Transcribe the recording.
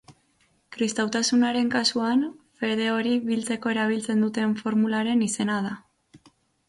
Kristautasunaren kasuan, fede hori biltzeko erabiltzen duten formularen izena da.